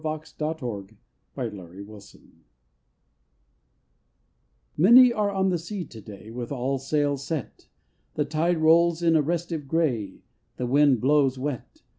THE SONG OF A SEA FARER Many are on the sea to day With all sails set. The tide rolls in a restive gray, The wind blows wet.